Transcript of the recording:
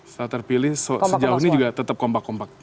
setelah terpilih sejauh ini juga tetap kompak kompak